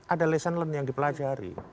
ada lesson learned yang dipelajari